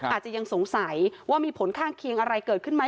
อาจจะยังสงสัยว่ามีผลข้างเคียงอะไรเกิดขึ้นไหม